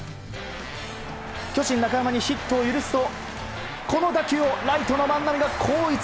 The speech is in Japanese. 巨人、中山にヒットを許すとこの打球をライト万波が後逸。